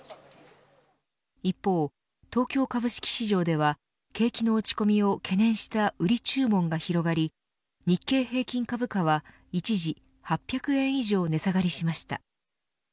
一方、東京株式市場では景気の落ち込みを懸念した売り注文が広がり日経平均株価は一時８００円以上値下がりしました。